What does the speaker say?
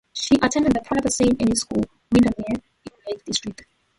She attended the private Saint Anne's School, Windermere in the Lake District.